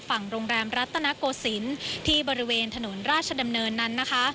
ฝั่งโรงแรมรัตนโกศิลป์ที่บริเวณถนนราชดำเนินนั้นนะคะ